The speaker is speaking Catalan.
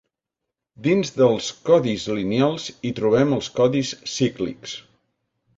Dins dels codis lineals hi trobem els codis cíclics.